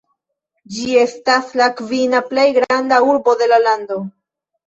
Ĝi estas la kvina plej granda urbo de la lando.